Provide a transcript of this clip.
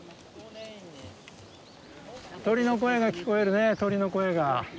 鳥の声が聞こえるね鳥の声が。